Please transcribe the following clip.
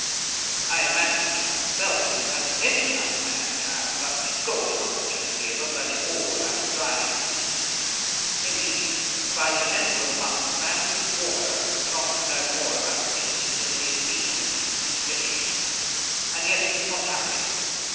I imagine that seldom has any young man had such golden opportunities of learning all about dried seaweed. Indeed, by the end of the month Ramsden Waters could not have known more about seaweed if he had been a deep sea fish. And yet he was not happy.